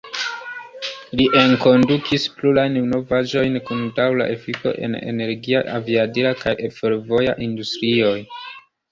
Li enkondukis plurajn novaĵojn kun daŭra efiko en energia, aviadila kaj fervoja industrioj.